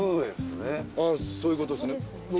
そういうことですね。